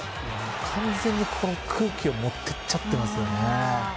完全に空気を持ってっちゃってますね。